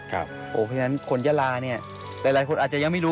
เพราะฉะนั้นคนยาลาเนี่ยหลายคนอาจจะยังไม่รู้